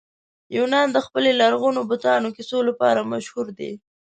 یونان د خپلو لرغونو بتانو کیسو لپاره مشهوره دی.